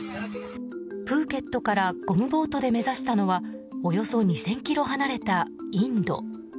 プーケットからゴムボートで目指したのはおよそ２０００ｋｍ離れたインド。